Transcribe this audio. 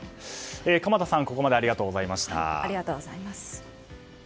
鎌田さん、ここまでありがとうございました。